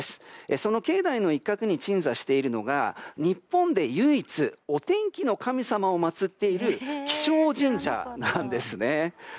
その境内の一角に鎮座しているのが日本で唯一お天気の神様をまつっている気象神社なんですね。